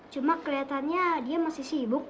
cuma kelihatannya dia masih sibuk